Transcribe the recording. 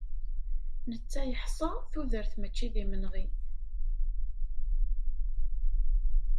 Netta yeḥsa tudert maci d imenɣi.